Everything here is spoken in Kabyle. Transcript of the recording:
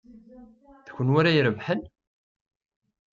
D kunwi ara irebḥen?